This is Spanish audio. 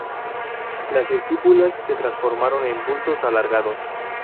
Las estípulas se transforman en bultos alargados.